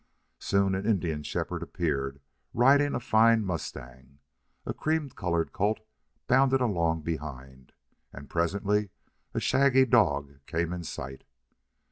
Soon an Indian shepherd appeared, riding a fine mustang. A cream colored colt bounded along behind, and presently a shaggy dog came in sight.